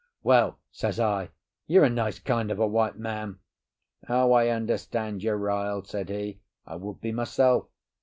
'" "Well," says I, "you're a nice kind of a white man!" "O, I understand; you're riled," said he. "I would be myself.